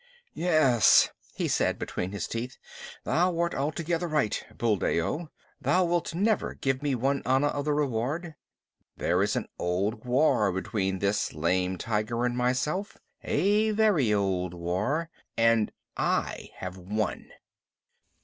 "Ye es," he said, between his teeth. "Thou art altogether right, Buldeo. Thou wilt never give me one anna of the reward. There is an old war between this lame tiger and myself a very old war, and I have won."